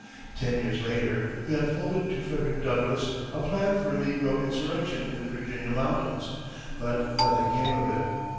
Ten years later, he unfolded to Frederick Douglass a plan for a negro insurrection in the Virginia mountains, but nothing came of it.